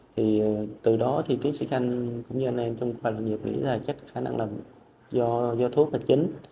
thì từ đó thì tuyến sĩ khanh cũng như anh em trong khoa nhịp nghĩ là chắc khả năng là do thuốc là chính